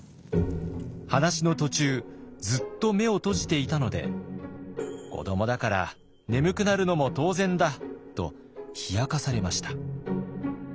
話の途中ずっと目を閉じていたので「子どもだから眠くなるのも当然だ」と冷やかされました。